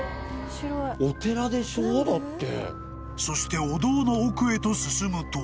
［そしてお堂の奥へと進むと］